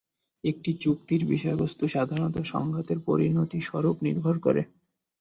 একটি চুক্তির বিষয়বস্তু সাধারণত সংঘাতের পরিণতি স্বরূপ নির্ভর করে।